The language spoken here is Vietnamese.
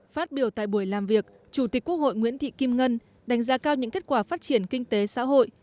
phát biểu tại buổi làm việc chủ tịch quốc hội nguyễn thị kim ngân đánh giá cao những kết quả phát triển kinh tế xã hội